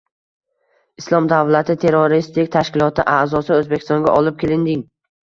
“Islom davlati” terroristik tashkiloti a’zosi O‘zbekistonga olib kelinding